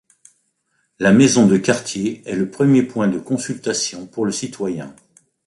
La maison de quartier est le premier point de consultation pour le citoyen.